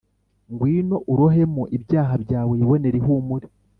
Ngwino urohemo ibyaha byawe wibone ihumure